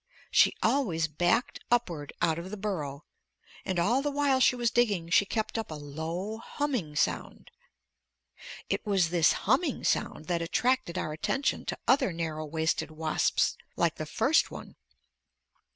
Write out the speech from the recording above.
She always backed upward out of the burrow, and all the while she was digging she kept up a low humming sound. It was this humming sound that attracted our attention to other narrow waisted wasps like the first one.